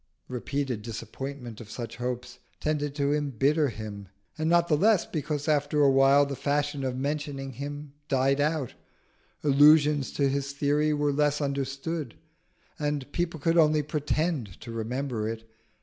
Repeated disappointment of such hopes tended to embitter him, and not the less because after a while the fashion of mentioning him died out, allusions to his theory were less understood, and people could only pretend to remember it.